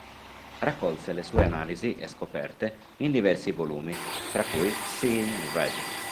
Raccolse le sue analisi e scoperte in diversi volumi, tra cui "Seeing Red.